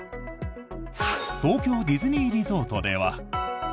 東京ディズニーリゾートでは。